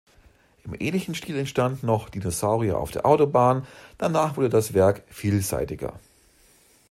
Im ähnlichen Stil entstand noch «Dinosaurier auf der Autobahn», danach wurde das Werk vielseitiger.